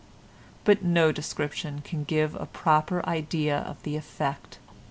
but no description can give a proper idea of the effect.